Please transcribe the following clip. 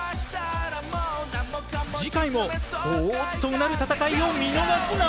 次回もほぉっとうなる戦いを見逃すな！